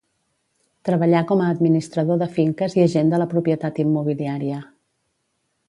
Treballà com a administrador de finques i agent de la propietat immobiliària.